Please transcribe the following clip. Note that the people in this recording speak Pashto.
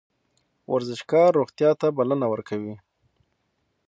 ورزشکار روغتیا ته بلنه ورکوي